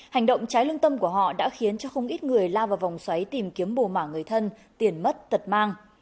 hành động trái lương tâm của họ đã khiến cho không ít người lao vào vòng xoáy tìm kiếm bồ mả người thân tiền mất tật mang